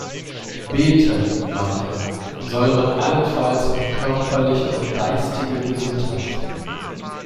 Beten, meint er, solle man allenfalls um körperliche und geistige Gesundheit.